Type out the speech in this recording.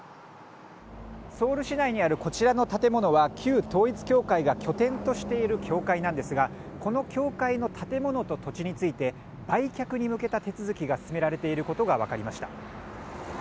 ソウル市内にあるこちらの建物は旧統一教会が拠点としている教会なんですがこの教会の建物と土地について売却に向けた手続きが進められていることが分かりました。